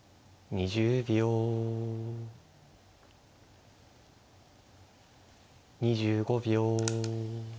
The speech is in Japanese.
２５秒。